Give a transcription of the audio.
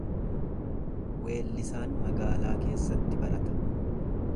Weellisaan magaalaa keessatti barata.